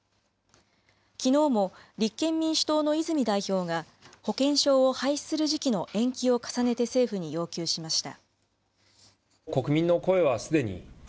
きのうも、立憲民主党の泉代表が、保険証を廃止する時期の延期を重ねて政府に要求しました。